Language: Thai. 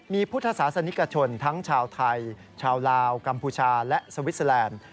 มีพุทธศาสนิกชนทั้งชาวไทยชาวลาวกัมพูชาและสวิสเตอร์แลนด์